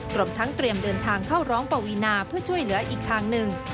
รวมทั้งเตรียมเดินทางเข้าร้องปวีนาเพื่อช่วยเหลืออีกทางหนึ่ง